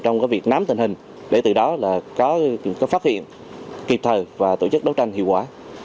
trong việc nắm tình hình để từ đó có phát hiện kịp thời và tổ chức đấu tranh hiệu quả